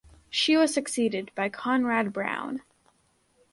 She was succeeded by Conrad Brown.